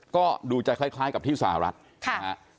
ก็ดูจะคล้ายกับที่อุตสาหรัฐครับ